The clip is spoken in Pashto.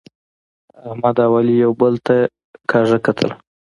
احمد او علي یو بل ته کږي کتل.